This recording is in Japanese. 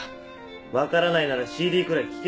分からないならＣＤくらい聴けよ。